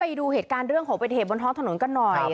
ไปดูเหตุการณ์เรื่องของเป็นเหตุบนท้องถนนกันหน่อย